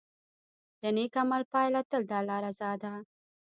د نیک عمل پایله تل د الله رضا ده.